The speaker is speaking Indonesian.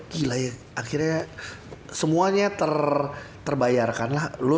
gila ya akhirnya semuanya terbayarkan lah lo